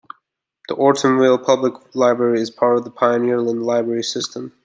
The Ortonville Public Library is a part of the Pioneerland Library System.